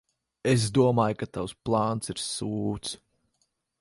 Es domāju, ka tavs plāns ir sūds.